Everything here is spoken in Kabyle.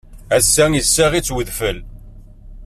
Ass-a, issaɣ-itt udfel.